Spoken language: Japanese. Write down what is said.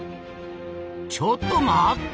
ちょっと待った！